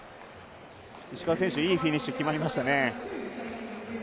石川選手、いいフィニッシュ決まりましたね